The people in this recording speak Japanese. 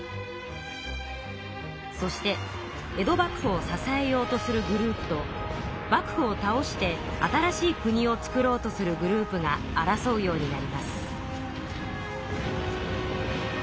そして江戸幕府を支えようとするグループと幕府を倒して新しい国をつくろうとするグループが争うようになります。